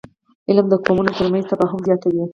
علم د قومونو ترمنځ تفاهم زیاتوي